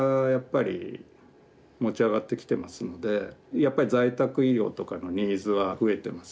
やっぱり在宅医療とかのニーズは増えてます